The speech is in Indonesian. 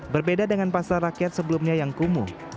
berbeda dengan pasar rakyat sebelumnya yang kumuh